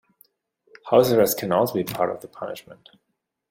House arrest can also be part of the punishment.